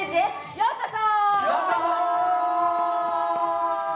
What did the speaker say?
ようこそ！